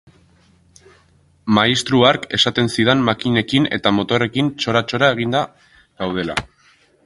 Maistru hark esaten zidan makinekin eta motorrekin txora-txora eginda gaudela.